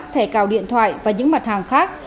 thẻ cào điện thoại và những mặt hàng khác